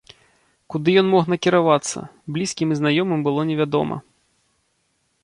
Куды ён мог накіравацца, блізкім і знаёмым было невядома.